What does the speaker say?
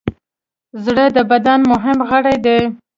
زړه د بدن مهم غړی دی.